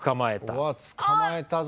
うわっ捕まえたぞ。